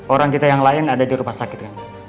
orang kita yang lain ada di rumah sakit kan